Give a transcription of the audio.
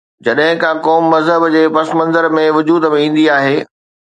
جڏهن ڪا قوم مذهب جي پس منظر ۾ وجود ۾ ايندي آهي.